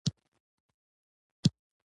ځکه چې ته نورو تېرايستلى وې.